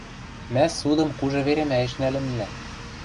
Мӓ ссудым кужы веремӓэш нӓлӹннӓ.